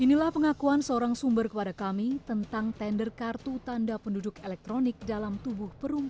inilah pengakuan seorang sumber kepada kami tentang tender kartu tanda penduduk elektronik dalam tubuh perempuan